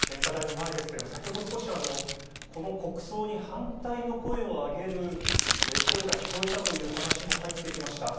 献花台の前ですけれども先ほど、少しこの国葬に反対の声を上げる声が聞こえたという話も入ってきました。